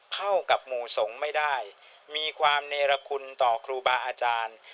เข้ากับหมู่สงฆ์ไม่ได้มีความเนรคุณต่อครูบาอาจารย์